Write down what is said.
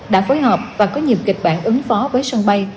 đã phối hợp và có nhiều kịch bản ứng phó với sân bay